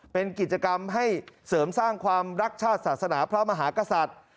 เป็นกิจกรรมให้เสริมสร้างความรักชาติศาสนาพระมหากษัตริย์